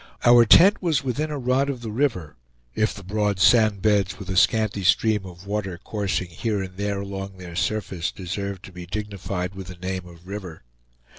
Our tent was within a rod of the river, if the broad sand beds, with a scanty stream of water coursing here and there along their surface, deserve to be dignified with the name of river.